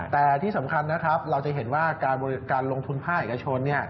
แต่ที่สำคัญนะครับเราจะเห็นว่าการลงทุนภาคเอกชน